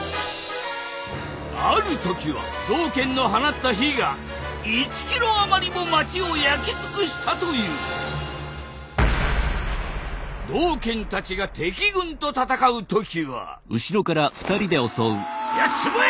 ある時は道賢の放った火が１キロ余りも町を焼き尽くしたという道賢たちが敵軍と戦う時はうお！